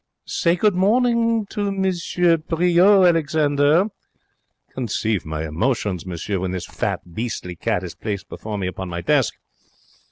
'Say good morning to M. Priaulx, Alexander.' Conceive my emotions, monsieur, when this fat, beastly cat is placed before me upon my desk!